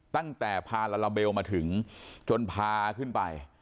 ตั้งแต่พาลาลาเบลมาถึงจนพาขึ้นไป